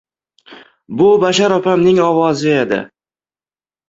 — Bu Bashor opamning ovozi edi.